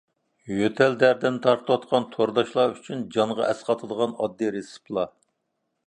يۆتەل دەردىنى تارتىۋاتقان تورداشلار ئۈچۈن جانغا ئەسقاتىدىغان ئاددىي رېتسېپلار.